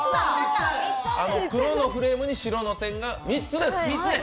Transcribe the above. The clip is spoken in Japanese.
黒のフレームに白の点が３つですね。